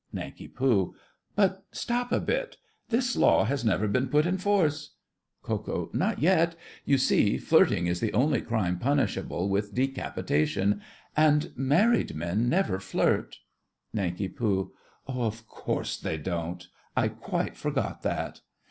NANK. But stop a bit! This law has never been put in force. KO. Not yet. You see, flirting is the only crime punishable with decapitation, and married men never flirt. NANK. Of course, they don't. I quite forgot that!